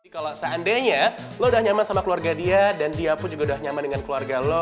kalau seandainya lo udah nyaman sama keluarga dia dan dia pun juga udah nyaman dengan keluarga lo